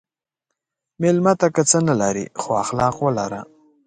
مېلمه ته که نه څه لرې، خو اخلاق ولره.